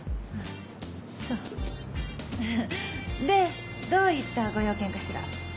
でどういったご用件かしら？